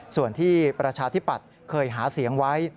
ส่วนที่ประชาธิปัตย์เคยหาเสียงไว้